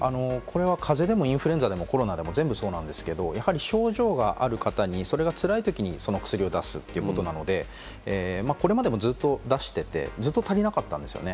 風邪でもインフルエンザでもコロナでも全部そうですけれども、症状がある方にそれがつらいときに、その薬を出すということなので、これまでもずっと出してて、ずっと足りなかったんですよね。